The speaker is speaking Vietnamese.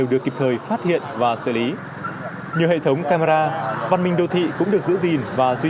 được kịp thời phát hiện và xử lý nhiều hệ thống camera văn minh đô thị cũng được giữ gìn và duy